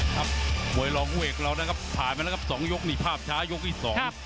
ครับมวยรองผู้เอกเรานะครับผ่านมาแล้วครับสองยกนี่ภาพช้ายกที่สอง